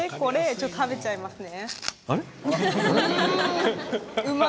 ちょっと、食べちゃいますね。